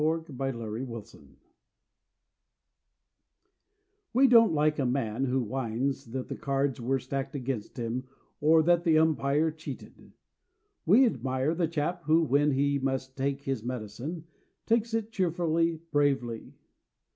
_ PLAYING THE GAME We don't like the man who whines that the cards were stacked against him or that the umpire cheated. We admire the chap who, when he must take his medicine, takes it cheerfully, bravely.